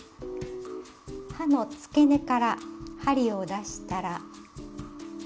葉のつけ根から針を出したら。